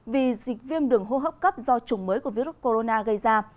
vì dịch viêm đường hô hấp cấp do chủng mới của virus corona gây ra